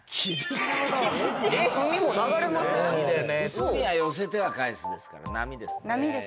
海は「寄せては返す」ですから波です。